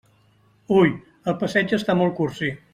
Hui el passeig està molt cursi.